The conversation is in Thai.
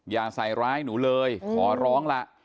อย่าใส่ร้ายหนูเลยขอร้องล่ะ